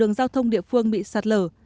giao thông địa phương bị sạt lở